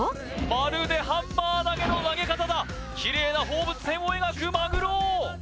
まるでハンマー投げの投げ方だキレイな放物線を描くマグロ！